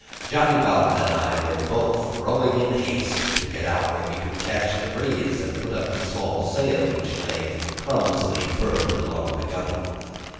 Johnny Bowden and I were both rowing in haste to get out where we could catch the breeze and put up the small sail which lay clumsily furled along the gunwale.